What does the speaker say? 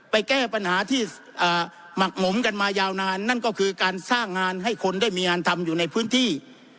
แก้ปัญหาที่หมักหมมกันมายาวนานนั่นก็คือการสร้างงานให้คนได้มีงานทำอยู่ในพื้นที่